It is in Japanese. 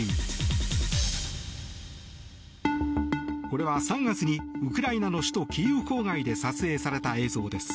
これは３月にウクライナの首都キーウ郊外で撮影された映像です。